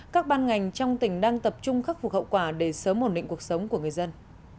các ban ngành trong tỉnh đang tập trung khắc phục hậu quả để sớm ổn định cuộc sống của người dân